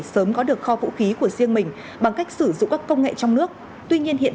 sớm có được kho vũ khí của riêng mình bằng cách sử dụng các công nghệ trong nước tuy nhiên hiện